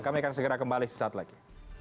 kami akan segera kembali sesaat lagi